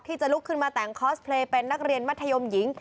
ที่จะลุกขึ้นมาแต่งคอสเพลย์เป็นนักเรียนมัธยมหญิง